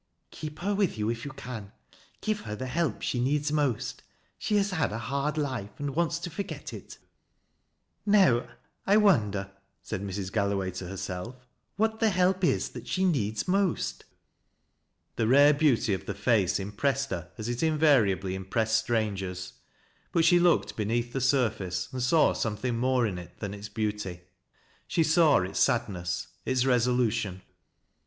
" Keep her with you if you can. Give lier the help she leeds most. She has had a hard life, and wants to forget it:' "Now, I wonder," said Mrs. Galloway to herself, " what the help is that she needs moat ?" The rare beauty of the face impressed her as it invari ably impressed strangers, but she looked beneath the sur face and saw something more in it than its beauty. She Baw its sadness, its resolution.